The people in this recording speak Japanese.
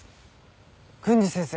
郡司先生。